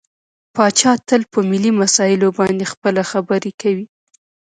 پاچا تل په ملي مسايلو باندې خپله خبرې کوي .